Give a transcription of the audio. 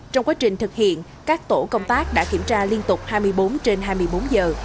trong quá trình thực hiện các tổ công tác đã kiểm tra liên tục hai mươi bốn trên hai mươi bốn giờ